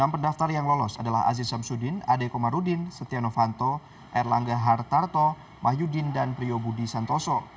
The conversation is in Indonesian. enam pendaftar yang lolos adalah aziz samsuddin adekomarudin setianofanto erlangga hartarto mahyudin dan priyobudi santoso